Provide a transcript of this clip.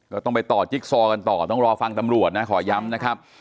ก็ต้องไปต่อจิ๊กซอกันต่อต้องรอฟังตำรวจนะขอย้ำนะครับ